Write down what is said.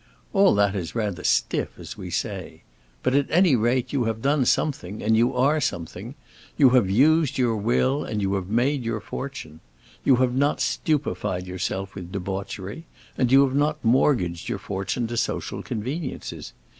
All that is rather stiff, as we say. But at any rate you have done something and you are something; you have used your will and you have made your fortune. You have not stupified yourself with debauchery and you have not mortgaged your fortune to social conveniences.